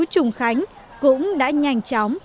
trùng khánh cũng đã nhanh chóng